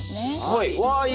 はい。